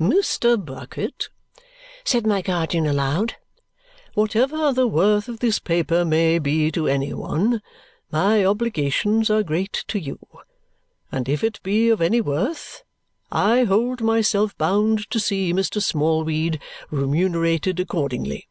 "Mr Bucket," said my guardian aloud, "whatever the worth of this paper may be to any one, my obligations are great to you; and if it be of any worth, I hold myself bound to see Mr. Smallweed remunerated accordingly."